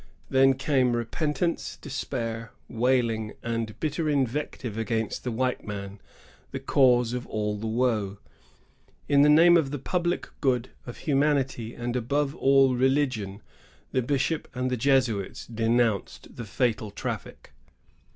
Then came repentance, despair, wailing, and bitter invective against the white men, the cause of all the woe. In the name of the public good, of humanity, and above all of religion, the bishop and the Jesuits denounced the fatal traffic.